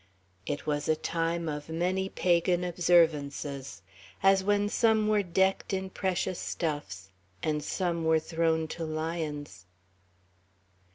It was a time of many pagan observances, as when some were decked in precious stuffs and some were thrown to lions.